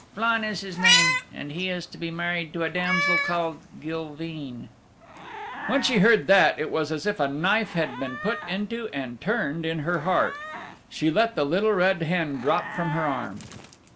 Flann is his name. And he is to be married to a damsel called Gilveen." When she heard that, it was as if a knife had been put into and turned in her heart. She let the Little Red Hen drop from her arm.